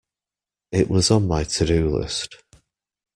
It was on my to-do list.